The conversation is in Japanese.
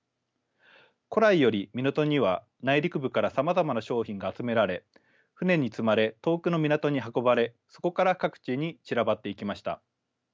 古来より港には内陸部からさまざまな商品が集められ船に積まれ遠くの港に運ばれそこから各地に散らばっていきました。